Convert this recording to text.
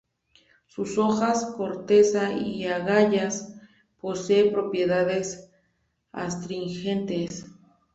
Sus hojas, corteza y agallas poseen propiedades astringentes.